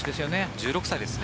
１６歳ですね。